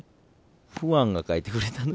ファンが描いてくれたの。